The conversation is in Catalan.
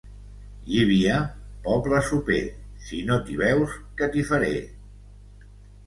Llívia, poble soper: si no t'hi veus, què t'hi faré.